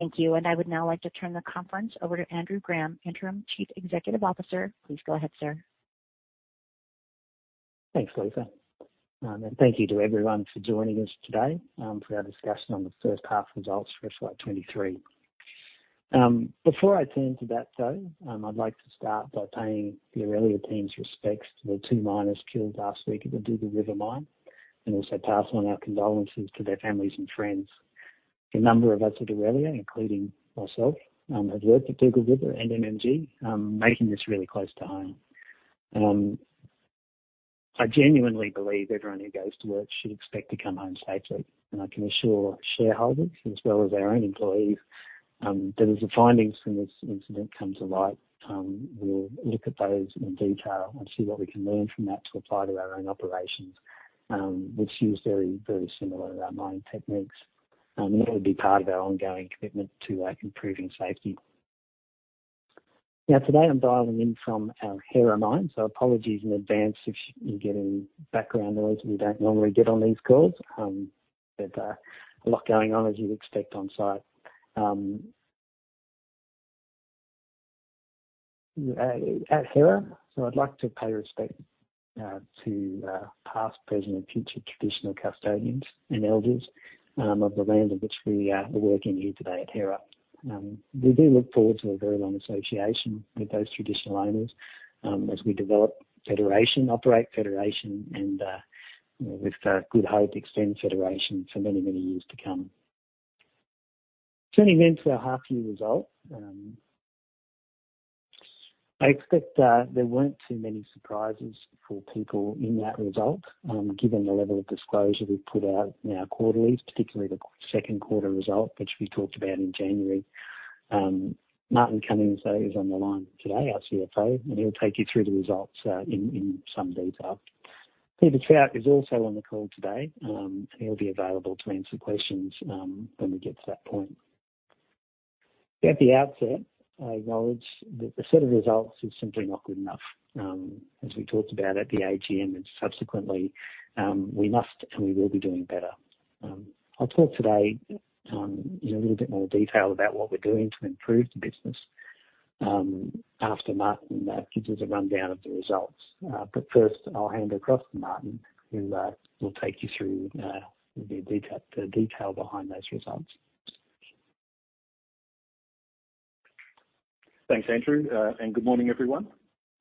Thank you. I would now like to turn the conference over to Andrew Graham, Interim Chief Executive Officer. Please go ahead, sir. Thanks, Lisa. Thank you to everyone for joining us today, for our discussion on the first half results for FY 2023. Before I turn to that though, I'd like to start by paying the Aurelia team's respects to the two miners killed last week at the Dugald River mine, and also pass on our condolences to their families and friends. A number of us at Aurelia, including myself, have worked at Dugald River and MMG, making this really close to home. I genuinely believe everyone who goes to work should expect to come home safely. I can assure shareholders as well as our own employees, that as the findings from this incident comes to light, we'll look at those in detail and see what we can learn from that to apply to our own operations, which use very, very similar mining techniques. That would be part of our ongoing commitment to improving safety. Today I'm dialing in from our Hera Mine, so apologies in advance if you get any background noise we don't normally get on these calls. There's a lot going on as you'd expect on-site. At Hera, I'd like to pay respect to past, present, and future traditional custodians and elders of the land on which we are working here today at Hera. We do look forward to a very long association with those traditional owners, as we develop Federation, operate Federation and with good hope, extend Federation for many, many years to come. Turning to our half year result. I expect that there weren't too many surprises for people in that result, given the level of disclosure we've put out in our quarterlies, particularly the second quarter result, which we talked about in January. Martin Cummings though is on the line today, our CFO, and he'll take you through the results in some detail. Peter Trout is also on the call today, and he'll be available to answer questions when we get to that point. At the outset, I acknowledge the set of results is simply not good enough, as we talked about at the AGM and subsequently, we must and we will be doing better. I'll talk today, in a little bit more detail about what we're doing to improve the business, after Martin gives us a rundown of the results. First, I'll hand across to Martin, who will take you through the detail behind those results. Thanks, Andrew. Good morning, everyone.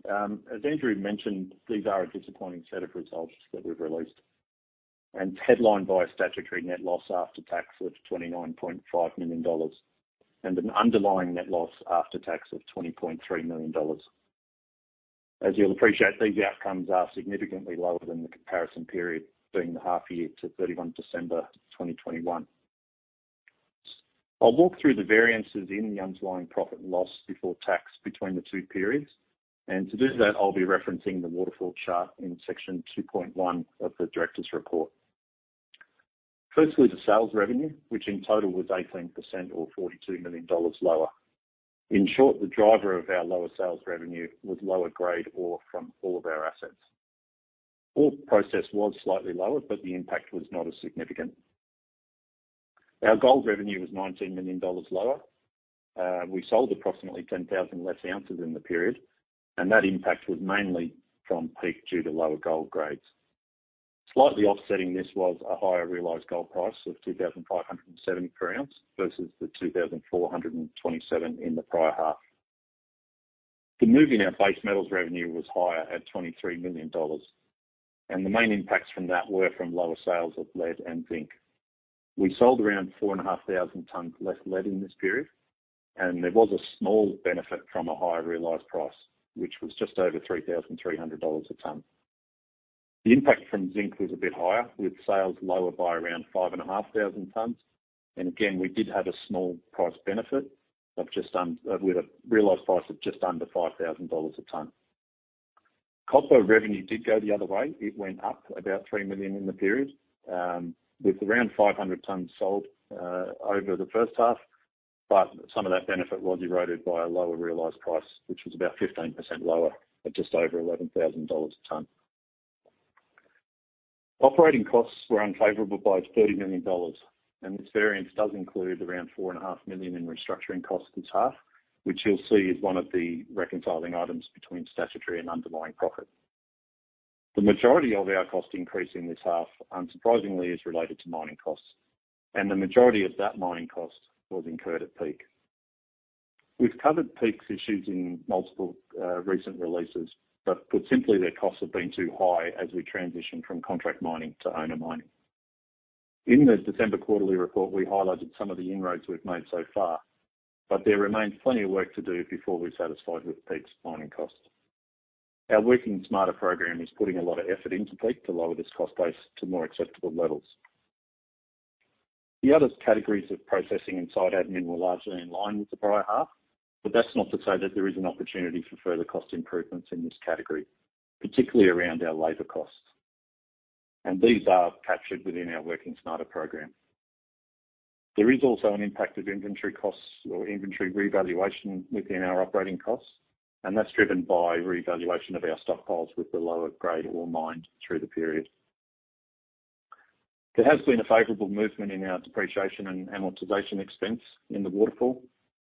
As Andrew mentioned, these are a disappointing set of results that we've released and headlined by a statutory net loss after tax of 29.5 million dollars and an underlying net loss after tax of 20.3 million dollars. As you'll appreciate, these outcomes are significantly lower than the comparison period, being the half year to 31 December 2021. I'll walk through the variances in the underlying profit and loss before tax between the two periods. To do that, I'll be referencing the waterfall chart in section 2.1 of the directors report. Firstly, the sales revenue, which in total was 18% or 42 million dollars lower. In short, the driver of our lower sales revenue was lower grade ore from all of our assets. Ore process was slightly lower, but the impact was not as significant. Our gold revenue was 19 million dollars lower. We sold approximately 10,000 less ounces in the period, and that impact was mainly from Peak due to lower gold grades. Slightly offsetting this was a higher realized gold price of $2,570 per ounce versus the $2,427 in the prior half. The move in our base metals revenue was higher at 23 million dollars, and the main impacts from that were from lower sales of lead and zinc. We sold around 4,500 tons less lead in this period, and there was a small benefit from a higher realized price, which was just over $3,300 a ton. The impact from zinc was a bit higher, with sales lower by around 5,500 tons. Again, we did have a small price benefit with a realized price of just under $5,000 a ton. Copper revenue did go the other way. It went up about 3 million in the period, with around 500 tons sold over the first half. Some of that benefit was eroded by a lower realized price, which was about 15% lower at just over $11,000 a ton. Operating costs were unfavorable by 30 million dollars. This variance does include around four and a half million in restructuring costs this half, which you'll see is one of the reconciling items between statutory and underlying profit. The majority of our cost increase in this half, unsurprisingly, is related to mining costs. The majority of that mining cost was incurred at Peak. We've covered Peak's issues in multiple recent releases. Put simply, their costs have been too high as we transition from contract mining to owner mining. In the December quarterly report, we highlighted some of the inroads we've made so far. There remains plenty of work to do before we're satisfied with Peak's mining costs. Our Working Smarter program is putting a lot of effort into Peak to lower this cost base to more acceptable levels. The other categories of processing and site admin were largely in line with the prior half. That's not to say that there is an opportunity for further cost improvements in this category, particularly around our labor costs. These are captured within our Working Smarter program. There is also an impact of inventory costs or inventory revaluation within our operating costs, and that's driven by revaluation of our stockpiles with the lower-grade ore mined through the period. There has been a favorable movement in our depreciation and amortization expense in the waterfall,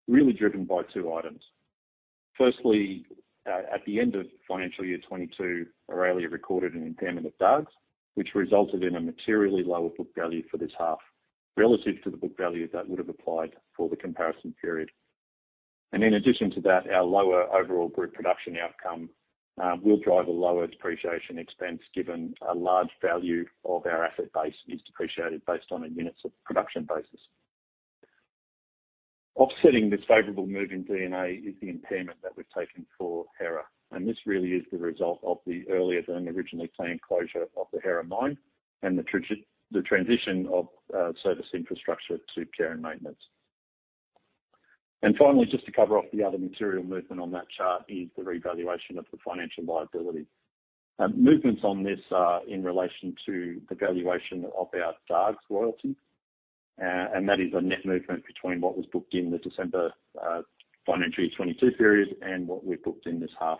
really driven by two items. Firstly, at the end of financial year 2022, Aurelia recorded an impairment of Dargues, which resulted in a materially lower book value for this half relative to the book value that would have applied for the comparison period. In addition to that, our lower overall group production outcome will drive a lower depreciation expense given a large value of our asset base is depreciated based on a units of production basis. Offsetting this favorable move in D&A is the impairment that we've taken for Hera, this really is the result of the earlier than originally planned closure of the Hera mine and the transition of service infrastructure to care and maintenance. Finally, just to cover off the other material movement on that chart is the revaluation of the financial liability. Movements on this are in relation to the valuation of our Dargues royalty, that is a net movement between what was booked in the December financial year 2022 period and what we've booked in this half.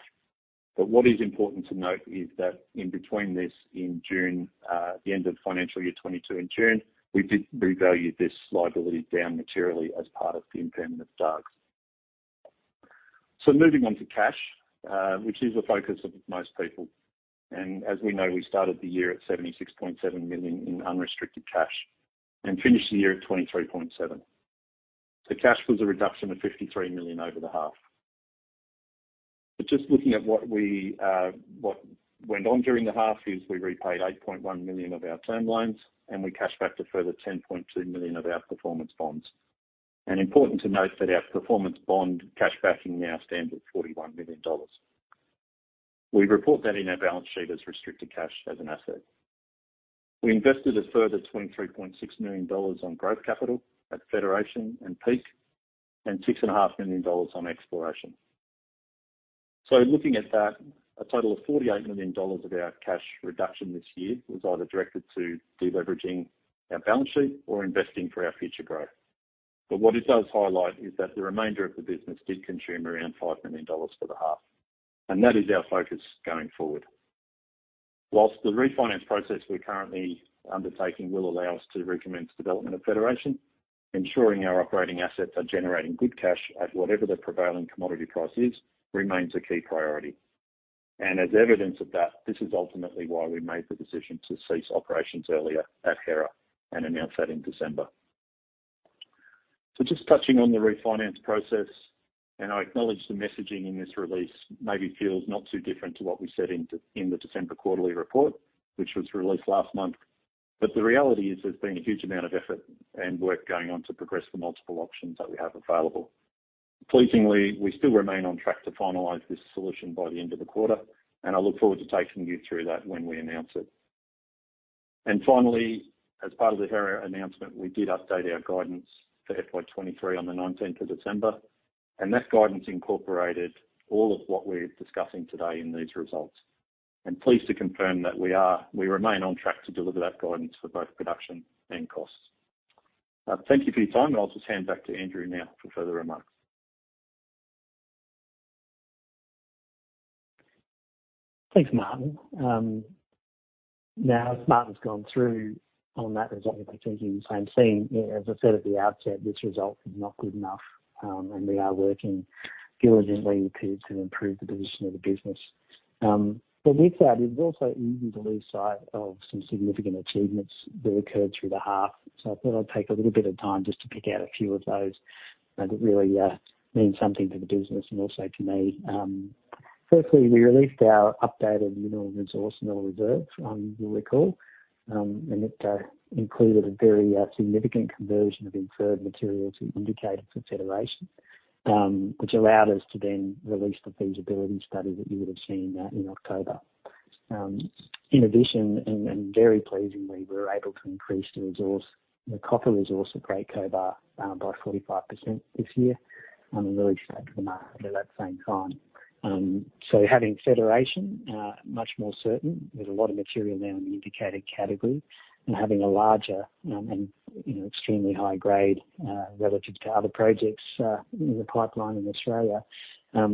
What is important to note is that in between this, in June, the end of financial year 2022 in June, we did revalue this liability down materially as part of the impairment of Dargues. Moving on to cash, which is the focus of most people, and as we know, we started the year at 76.7 million in unrestricted cash and finished the year at 23.7 million. Cash was a reduction of 53 million over the half. Just looking at what we, what went on during the half is we repaid 8.1 million of our term loans and we cashed back a further 10.2 million of our performance bonds. Important to note that our performance bond cash backing now stands at 41 million dollars. We report that in our balance sheet as restricted cash as an asset. We invested a further 23.6 million dollars on growth capital at Federation and Peak, and 6.5 million dollars on exploration. Looking at that, a total of 48 million dollars of our cash reduction this year was either directed to deleveraging our balance sheet or investing for our future growth. What it does highlight is that the remainder of the business did consume around 5 million dollars for the half, and that is our focus going forward. Whilst the refinance process we're currently undertaking will allow us to recommence development of Federation, ensuring our operating assets are generating good cash at whatever the prevailing commodity price is remains a key priority. As evidence of that, this is ultimately why we made the decision to cease operations earlier at Hera and announce that in December. Just touching on the refinance process, and I acknowledge the messaging in this release maybe feels not too different to what we said in the, in the December quarterly report, which was released last month. The reality is there's been a huge amount of effort and work going on to progress the multiple options that we have available. Pleasingly, we still remain on track to finalize this solution by the end of the quarter, and I look forward to taking you through that when we announce it. Finally, as part of the Hera announcement, we did update our guidance for FY 2023 on the 19th of December, and that guidance incorporated all of what we're discussing today in these results. I'm pleased to confirm that we remain on track to deliver that guidance for both production and costs. Thank you for your time, and I'll just hand back to Andrew now for further remarks. Thanks, Martin. As Martin's gone through on that result, I think you can understand, you know, as I said at the outset, this result is not good enough, and we are working diligently to improve the position of the business. With that, it's also easy to lose sight of some significant achievements that occurred through the half. I thought I'd take a little bit of time just to pick out a few of those that really mean something to the business and also to me. Firstly, we released our updated mineral resource and mineral reserves, you'll recall, and it included a very significant conversion of inferred material to indicated for Federation, which allowed us to then release the feasibility study that you would have seen there in October. In addition, and very pleasingly, we were able to increase the resource, the copper resource at Great Cobar by 45% this year and release that to the market at that same time. Having Federation much more certain with a lot of material now in the indicated category and having a larger, and, you know, extremely high grade, relative to other projects, in the pipeline in Australia,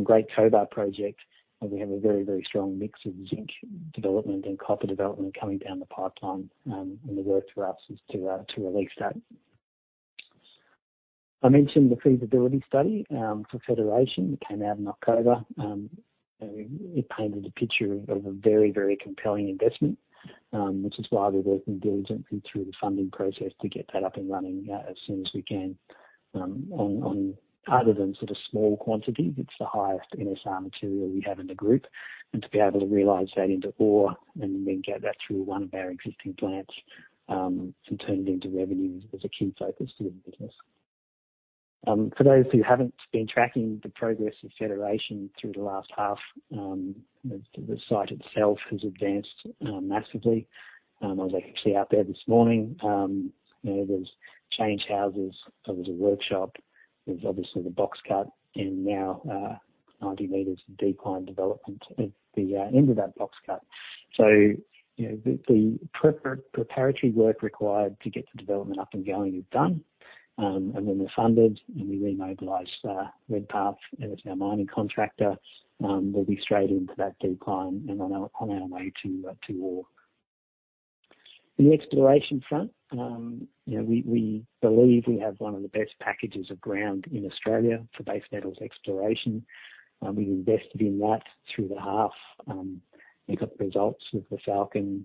Great Cobar project, and we have a very, very strong mix of zinc development and copper development coming down the pipeline, and the work for us is to release that. I mentioned the feasibility study for Federation. It came out in October. It painted a picture of a very, very compelling investment, which is why we're working diligently through the funding process to get that up and running, as soon as we can. Other than sort of small quantity, it's the highest NSR material we have in the group. To be able to realize that into ore and then get that through one of our existing plants, to turn it into revenue is a key focus for the business. Those who haven't been tracking the progress of Federation through the last half, the site itself has advanced, massively. I was actually out there this morning. You know, there's change houses. There was a workshop. There's obviously the box cut and now, 90 meters decline development at the, end of that box cut. You know, the preparatory work required to get the development up and going is done. When we're funded and we remobilize Redpath as our mining contractor, we'll be straight into that decline and on our way to ore. On the exploration front, you know, we believe we have one of the best packages of ground in Australia for base metals exploration. We've invested in that through the half. We got the results of the Falcon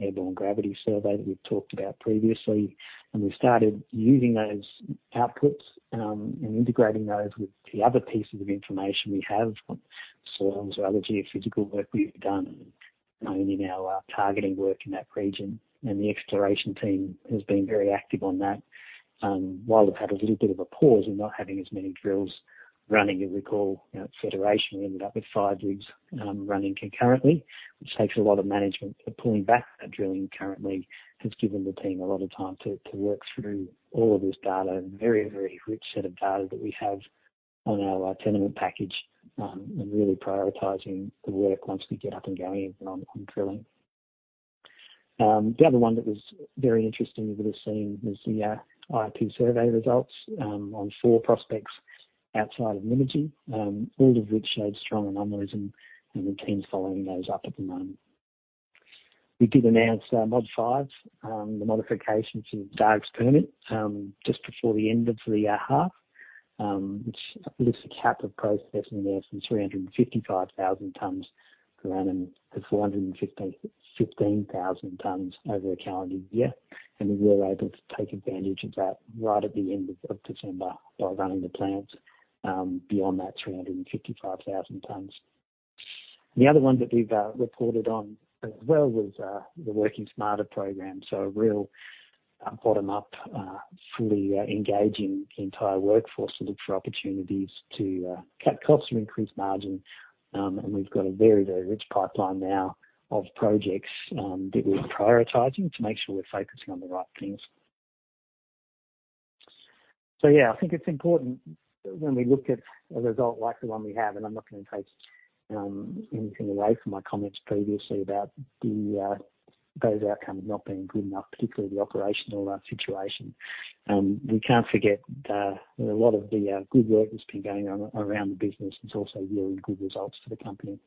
airborne gravity survey that we've talked about previously, and we've started using those outputs and integrating those with the other pieces of information we have from soils or other geophysical work we've done, you know, in our targeting work in that region. The exploration team has been very active on that. While we've had a little bit of a pause in not having as many drills running, as you recall, you know, at Federation, we ended up with five rigs running concurrently, which takes a lot of management. Pulling back on that drilling currently has given the team a lot of time to work through all of this data and very rich set of data that we have on our tenement package and really prioritizing the work once we get up and going again on drilling. The other one that was very interesting you would have seen was the IP survey results on four prospects outside of Nymagee, all of which showed strong anomalies and the team's following those up at the moment. We did announce Mod 5, the modification to Dargues permit, just before the end of the half, which lifts the cap of processing there from 355,000 tonnes per annum to 415,000 tonnes over a calendar year. We were able to take advantage of that right at the end of December by running the plant beyond that 355,000 tonnes. The other one that we've reported on as well was the Working Smarter program. A real, bottom-up, fully engaging the entire workforce to look for opportunities to cut costs and increase margin. We've got a very, very rich pipeline now of projects that we're prioritizing to make sure we're focusing on the right things. Yeah, I think it's important when we look at a result like the one we have, and I'm not gonna take anything away from my comments previously about the those outcomes not being good enough, particularly the operational situation. We can't forget that a lot of the good work that's been going on around the business is also yielding good results for the company.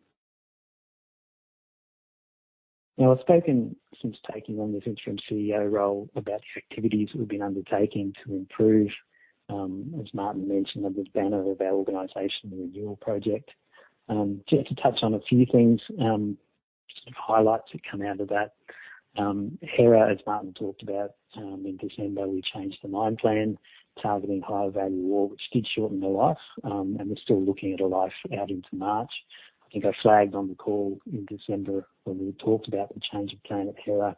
Now, I've spoken since taking on this interim CEO role about the activities we've been undertaking to improve, as Martin mentioned, under the banner of our Organisational renewal project. Just to touch on a few things, some highlights that come out of that. Hera, as Martin talked about, in December, we changed the mine plan, targeting higher value ore, which did shorten the life, and we're still looking at a life out into March. I think I flagged on the call in December when we talked about the change of plan at Hera,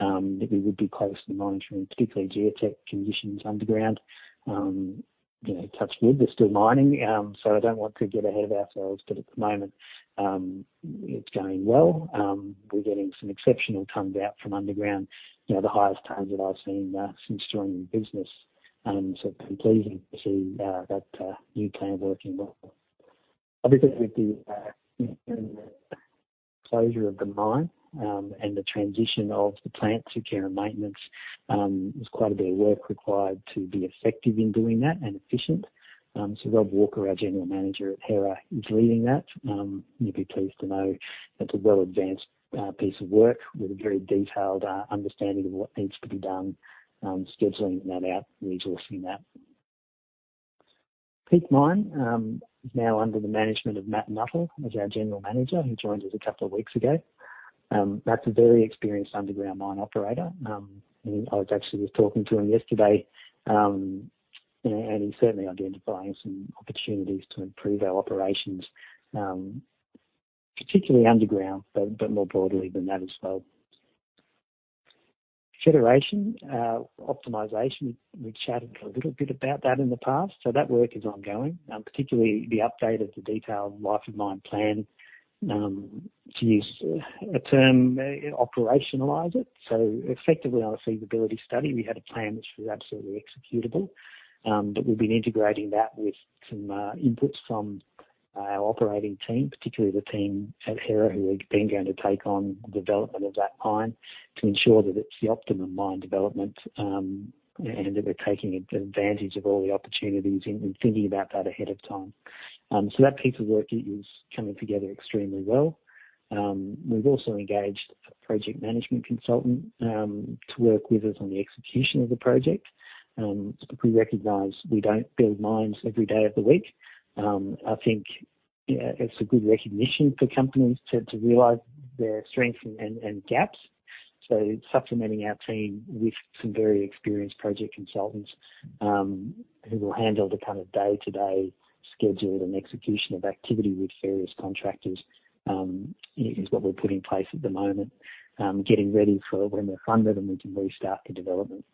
that we would be closely monitoring, particularly geotech conditions underground. You know, touch wood, we're still mining. I don't want to get ahead of ourselves, but at the moment, it's going well. We're getting some exceptional tons out from underground, you know, the highest tons that I've seen since joining the business. It's been pleasing to see that new plan working well. Obviously, with the closure of the mine, and the transition of the plant to care and maintenance, there's quite a bit of work required to be effective in doing that and efficient. Rob Walker, our General Manager at Hera, is leading that. You'd be pleased to know that's a well advanced piece of work with a very detailed understanding of what needs to be done, scheduling that out and resourcing that. Peak Mine is now under the management of Matt Nuttall as our General Manager, who joined us a couple of weeks ago. Matt's a very experienced underground mine operator. I was actually talking to him yesterday, and he's certainly identifying some opportunities to improve our operations, particularly underground, but more broadly than that as well. Federation optimization. We've chatted a little bit about that in the past. That work is ongoing, particularly the update of the detailed life of mine plan, to use a term, operationalize it. Effectively on a feasibility study, we had a plan which was absolutely executable, but we've been integrating that with some inputs from our operating team, particularly the team at Hera, who are then going to take on the development of that mine to ensure that it's the optimum mine development, and that we're taking advantage of all the opportunities in thinking about that ahead of time. That piece of work is coming together extremely well. We've also engaged a project management consultant, to work with us on the execution of the project. Because we recognize we don't build mines every day of the week. I think it's a good recognition for companies to realize their strengths and gaps. Supplementing our team with some very experienced project consultants, who will handle the kind of day-to-day scheduling and execution of activity with various contractors, is what we've put in place at the moment. Getting ready for when we're funded and we can restart the development.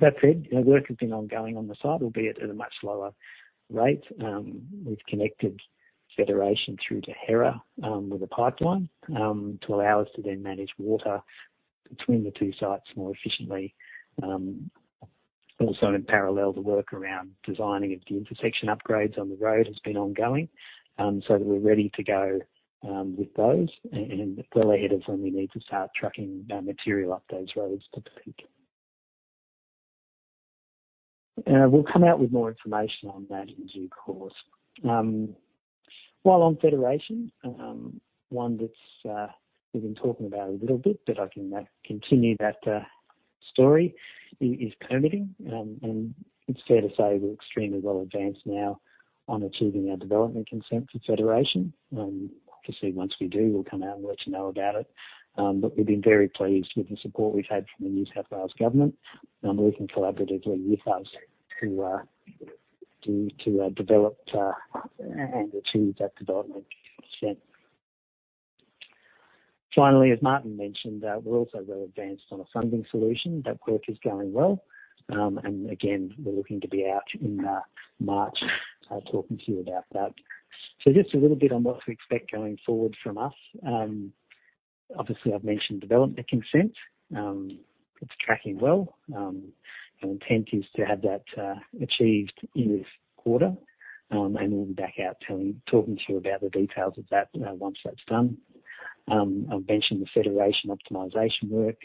That said, work has been ongoing on the site, albeit at a much slower rate. We've connected Federation through to Hera, with a pipeline, to allow us to then manage water between the two sites more efficiently. Also in parallel, the work around designing of the intersection upgrades on the road has been ongoing, so that we're ready to go with those and well ahead of when we need to start trucking material up those roads to Peak. We'll come out with more information on that in due course. While on Federation, one that's we've been talking about a little bit, but I can continue that story, is permitting. It's fair to say we're extremely well advanced now on achieving our development consent for Federation. Obviously, once we do, we'll come out and let you know about it. We've been very pleased with the support we've had from the New South Wales government. Working collaboratively with us to develop and achieve that development consent. Finally, as Martin mentioned, we're also well advanced on a funding solution. That work is going well. Again, we're looking to be out in March talking to you about that. Just a little bit on what to expect going forward from us. Obviously I've mentioned development consent. It's tracking well. Our intent is to have that achieved in this quarter. We'll be back out talking to you about the details of that once that's done. I've mentioned the Federation optimization work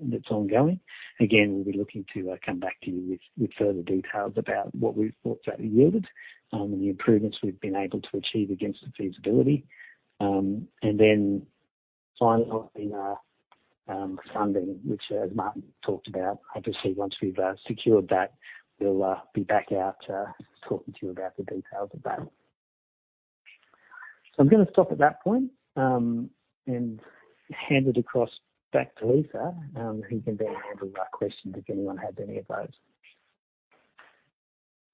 that's ongoing. We'll be looking to come back to you with further details about what we thought that yielded and the improvements we've been able to achieve against the feasibility. Finally on funding, which Martin talked about. Obviously, once we've secured that, we'll be back out talking to you about the details of that. I'm gonna stop at that point, and hand it across back to Lisa, who can then handle questions if anyone has any of those.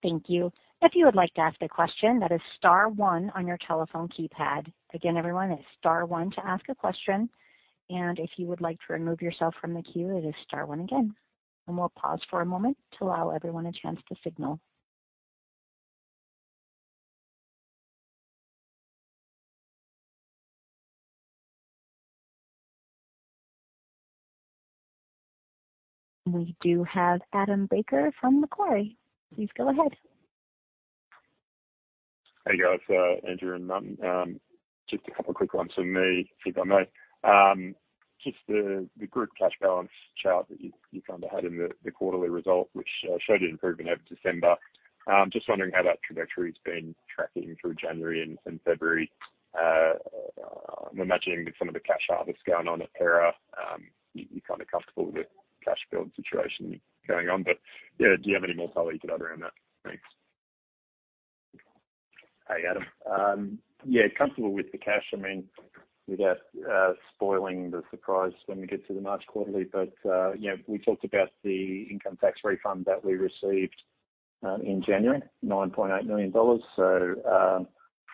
Thank you. If you would like to ask a question, that is star one on your telephone keypad. Again, everyone, it's star one to ask a question. If you would like to remove yourself from the queue, it is star one again. We'll pause for a moment to allow everyone a chance to signal. We do have Adam Baker from Macquarie. Please go ahead. Hey, guys, Andrew and Martin. Just a couple quick ones from me if I may. Just the group cash balance chart that you kind of had in the quarterly result, which showed an improvement over December. Just wondering how that trajectory's been tracking through January and February. I'm imagining with some of the cash harvest going on at Hera, you're kind of comfortable with the cash build situation going on. Yeah, do you have any more color you could add around that? Thanks. Hey, Adam. Yeah, comfortable with the cash. I mean, without spoiling the surprise when we get to the March quarterly, you know, we talked about the income tax refund that we received in January, 9.8 million dollars.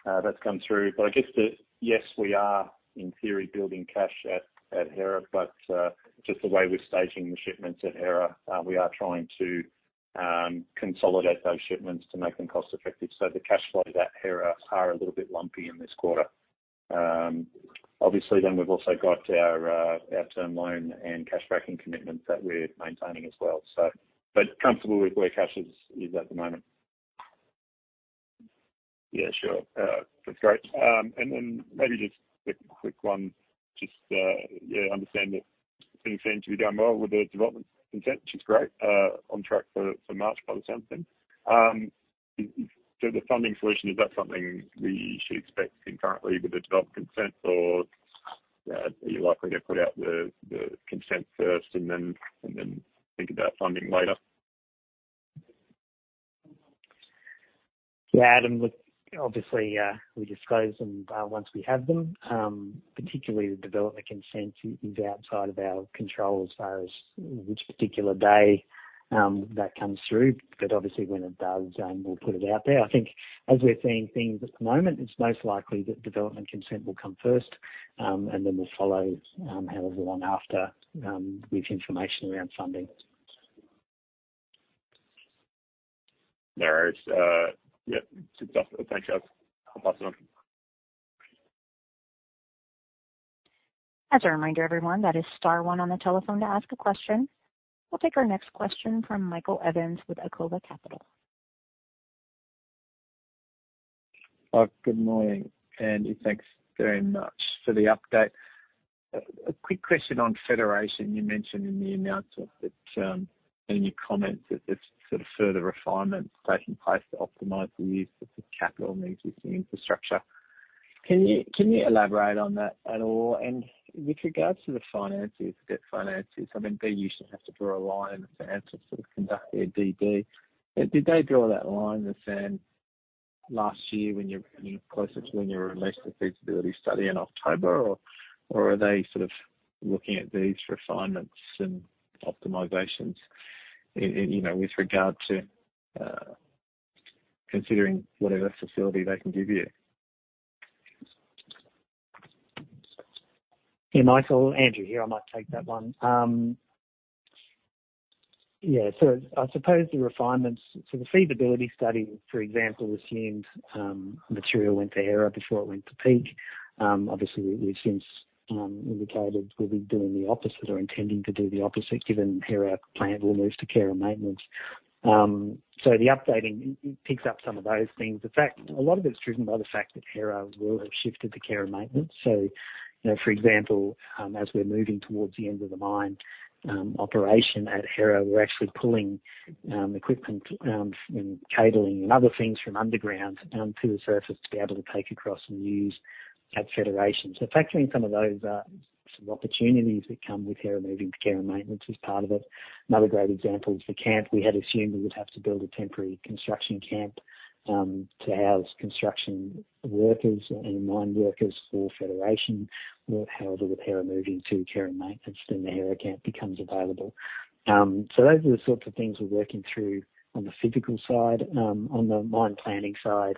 That's come through. I guess that yes, we are in theory building cash at Hera, just the way we're staging the shipments at Hera, we are trying to consolidate those shipments to make them cost-effective. The cash flow at Hera are a little bit lumpy in this quarter. Obviously we've also got our term loan and cash backing commitments that we're maintaining as well, comfortable with where cash is at the moment. Yeah, sure. That's great. Maybe just a quick one. Just, yeah, I understand that things seem to be going well with the development consent, which is great, on track for March by the sound of things. The funding solution, is that something we should expect concurrently with the development consent, or are you likely to put out the consent first and then think about funding later? Yeah, Adam. Look, obviously, we disclose them, once we have them. Particularly the development consent is outside of our control as far as which particular day, that comes through. Obviously when it does, we'll put it out there. I think as we're seeing things at the moment, it's most likely that development consent will come first, and then we'll follow, however long after, with information around funding. No worries. Yep. That's enough. Thanks, guys. I'll pass it on. As a reminder to everyone, that is star one on the telephone to ask a question. We'll take our next question from Michael Evans with Acova Capital. Good morning, Andrew Graham. Thanks very much for the update. A quick question on Federation. You mentioned in the announcement that in your comments that there's sort of further refinements taking place to optimize the use of the capital and the existing infrastructure. Can you elaborate on that at all? With regards to the finances, debt finances, I mean, they usually have to draw a line to sort of conduct their DD. Did they draw that line in the sand last year closer to when you released the feasibility study in October? Or are they sort of looking at these refinements and optimizations with regard to considering whatever facility they can give you? Michael, Andrew here. I might take that one. I suppose the refinements. So the feasibility study, for example, assumed material went to Hera before it went to Peak. Obviously we've since indicated we'll be doing the opposite or intending to do the opposite given Hera plant will move to care and maintenance. The updating, it picks up some of those things. The fact. A lot of it is driven by the fact that Hera will have shifted to care and maintenance. You know, for example, as we're moving towards the end of the mine, operation at Hera, we're actually pulling equipment and cabling and other things from underground to the surface to be able to take across and use at Federation. Factoring some of those, some opportunities that come with Hera moving to care and maintenance is part of it. Another great example is the camp. We had assumed we would have to build a temporary construction camp, to house construction workers and mine workers for Federation. However, with Hera moving to care and maintenance, then the Hera camp becomes available. Those are the sorts of things we're working through on the physical side. On the mine planning side,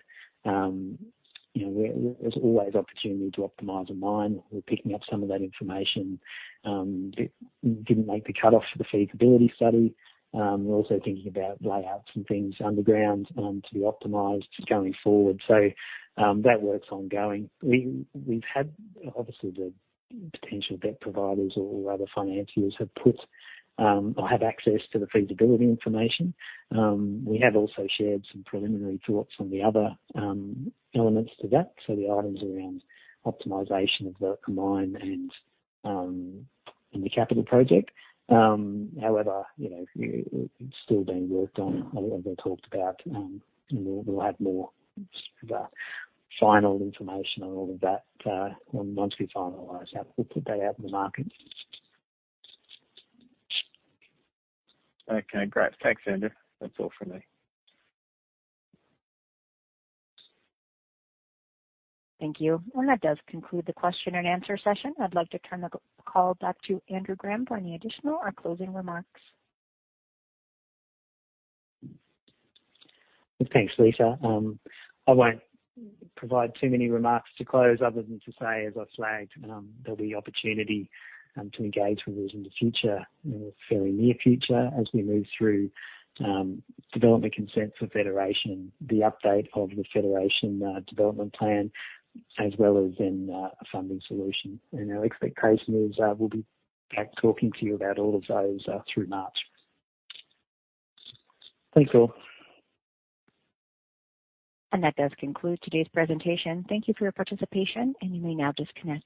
you know, we're, there's always opportunity to optimize a mine. We're picking up some of that information, that didn't make the cut-off for the feasibility study. We're also thinking about layouts and things underground, to be optimized going forward. That work's ongoing. We've had obviously the potential debt providers or other financiers have put or have access to the feasibility information. We have also shared some preliminary thoughts on the other elements to that. The items around optimization of the mine and the capital project. You know, it's still being worked on or being talked about, and we'll have more final information on all of that, once we finalize that, we'll put that out in the market. Okay, great. Thanks, Andrew. That's all from me. Thank you. Well, that does conclude the question and answer session. I'd like to turn the call back to Andrew Graham for any additional or closing remarks. Thanks, Lisa. I won't provide too many remarks to close other than to say, as I flagged, there'll be opportunity to engage with us in the future, in the fairly near future, as we move through, development consent for Federation, the update of the Federation, development plan, as well as then, a funding solution. Our expectation is, we'll be back talking to you about all of those, through March. Thanks, all. That does conclude today's presentation. Thank you for your participation, and you may now disconnect.